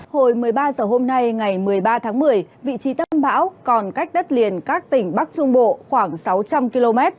hồi một mươi ba h hôm nay ngày một mươi ba tháng một mươi vị trí tâm bão còn cách đất liền các tỉnh bắc trung bộ khoảng sáu trăm linh km